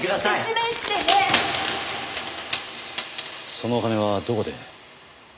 そのお金はどこで？